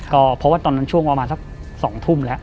ก็เพราะว่าตอนนั้นช่วงประมาณสัก๒ทุ่มแล้ว